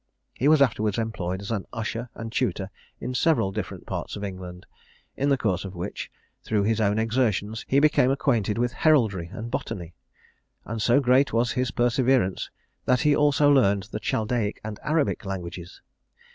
He was afterwards employed as an usher and tutor in several different parts of England; in the course of which, through his own exertions, he became acquainted with heraldry and botany; and so great was his perseverance, that he also learned the Chaldaic and Arabic languages.